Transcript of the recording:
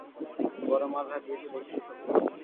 বড়ো মাল হাতিয়েছো দেখছি, ছোকরা।